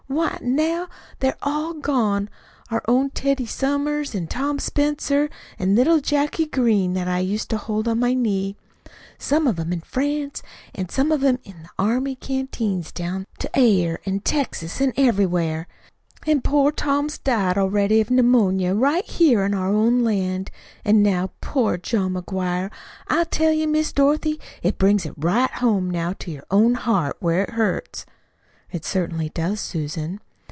Why, now they're all gone our own Teddy Somers, an' Tom Spencer, an' little Jacky Green that I used to hold on my knee. Some of 'em in France, an' some of 'em in them army canteens down to Ayer an' Texas an' everywhere. An' poor Tom's died already of pneumonia right here in our own land. An' now poor John McGuire! I tell you, Miss Dorothy, it brings it right home now to your own heart, where it hurts." "It certainly does, Susan."